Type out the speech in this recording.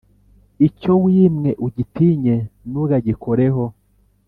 Icyo wimwe ugitinye nuga gikoreho